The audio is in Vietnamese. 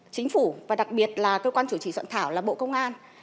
chính phủ và đặc biệt là cơ quan chủ trì soạn thảo là bộ công an